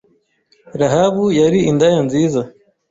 Rahabu yari indaya nziza